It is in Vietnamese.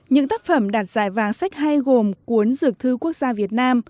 những tác phẩm đạt giải vàng sách hay gồm cuốn dược thư quốc gia việt nam